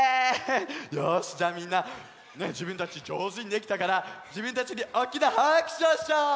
よしじゃあみんなじぶんたちじょうずにできたからじぶんたちにおっきなはくしゅをしちゃおう！